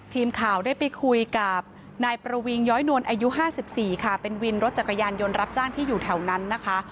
ทีมข่าวได้ไปคุยกับนายประวิงย้อยนวลอายุ๕๔ค่ะเป็นวินรถจักรยานยนต์รับจ้างที่อยู่แถวนั้นนะคะ